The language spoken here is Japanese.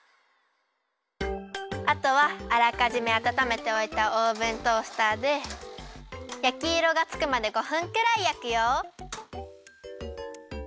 あとはあらかじめあたためておいたオーブントースターでやきいろがつくまで５分くらいやくよ。